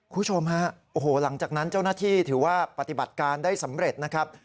คุณผู้ชมฮะโอ้โหหลังจากนั้นเจ้าหน้าที่ถือว่าปฏิบัติการได้สำเร็จนะครับ